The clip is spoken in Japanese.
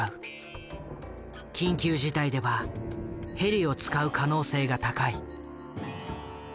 緊急事態ではヘリを使う可能性が高い。